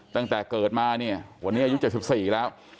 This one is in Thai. ตั้งแต่เกิดมาเนี่ยวันนี้อายุ๗๔แล้ว